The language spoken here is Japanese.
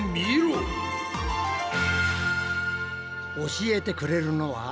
教えてくれるのは。